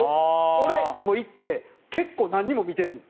俺も行って結構何人も見てるもん。